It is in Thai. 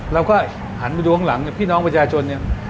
เราก็หันไปดูข้างหลังพี่น้องประชาชนเนี่ย